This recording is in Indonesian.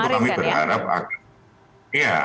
kemarin kan ya